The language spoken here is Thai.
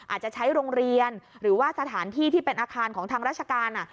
อาจจะใช้โรงเรียนหรือว่าสถานที่ที่เป็นอาคารของทางราชการ